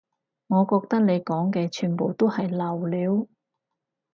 我覺得你講嘅全部都係流料